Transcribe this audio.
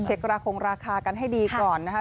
ก็เช็คละคงราคากันให้ดีก่อนนะครับ